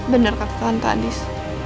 bener kak tante andis